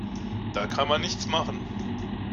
Da kann man nichts machen.